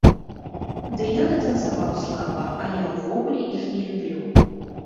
Ды ён і танцаваў слаба, а я ўвогуле іх не люблю.